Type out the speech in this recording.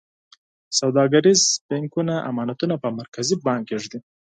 سوداګریز بانکونه امانتونه په مرکزي بانک کې ږدي.